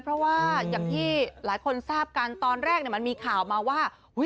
เพราะว่าอย่างที่หลายคนทราบกันตอนแรกมันมีข่าวมาว่า